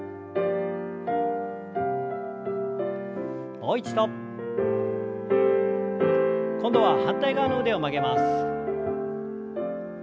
もう一度。今度は反対側の腕を曲げます。